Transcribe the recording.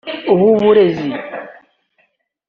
uw’Uburezi